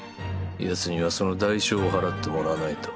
ヤツにはその代償を払ってもらわないと。